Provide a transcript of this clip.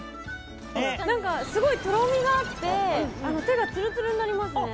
何かすごいとろみがあって手がツルツルになりますね。